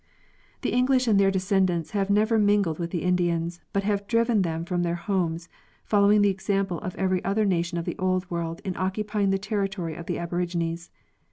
The English 'and their descendants have never mingled with the Indians, but have driven them from their homes, following the example of every other nation of the Old World in occupy ing the territory of the aborigines.